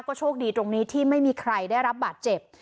โชคดีตรงนี้ที่ไม่มีใครได้รับบาดเจ็บ